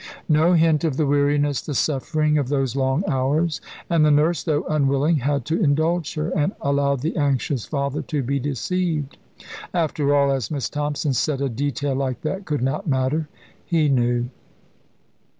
No hint of the weariness, the suffering, of those long hours and the nurse, though unwilling, had to indulge her, and allow the anxious father to be deceived. After all, as Miss Thompson said, a detail like that could not matter. He knew.